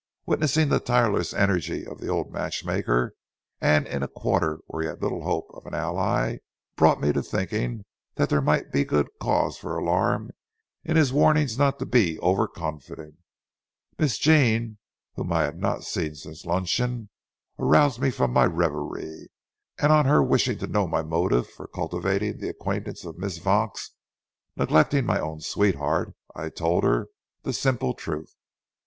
Witnessing the tireless energy of the old matchmaker, and in a quarter where he had little hope of an ally, brought me to thinking that there might be good cause for alarm in his warnings not to be overconfident. Miss Jean, whom I had not seen since luncheon, aroused me from my reverie, and on her wishing to know my motive for cultivating the acquaintance of Miss Vaux and neglecting my own sweetheart, I told her the simple truth.